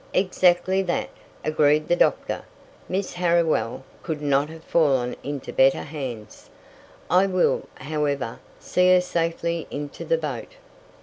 "Exactly that," agreed the doctor. "Miss Harriwell could not have fallen into better hands. I will, however, see her safely into the boat."